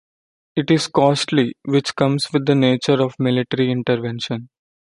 It is costly, which comes with the nature of military intervention.